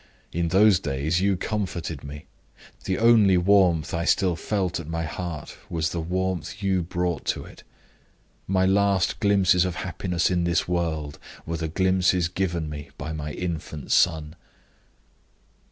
In those days, you comforted me. The only warmth I still felt at my heart was the warmth you brought to it. My last glimpses of happiness in this world were the glimpses given me by my infant son.